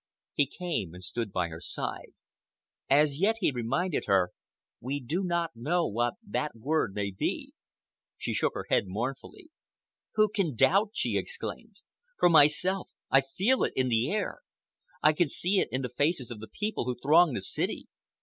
He came and stood by her side. "As yet," he reminded her, "we do not know what that word may be." She shook her head mournfully. "Who can doubt?" she exclaimed. "For myself, I feel it in the air! I can see it in the faces of the people who throng the city!